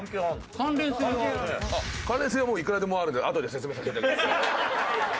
関連性はいくらでもあるんであとで説明させて頂きます。